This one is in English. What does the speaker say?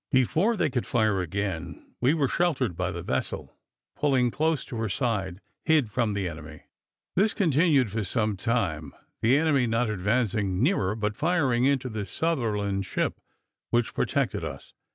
Before they could fire again, we were sheltered by the vessel, pulling close to her side, hid from the enemy. This continued for some time, the enemy not advancing nearer, but now firing into the Sunderland ship, which protected us.